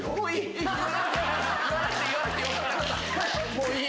もういい。